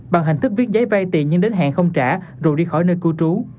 bằng hình thức viết giấy vay tiền nhưng đến hẹn không trả rồi đi khỏi nơi cư trú